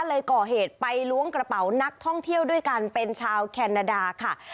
เลยก่อเหตุไปล้วงกระเป๋านักท่องเที่ยวด้วยกันเป็นชาวแคนาดาค่ะ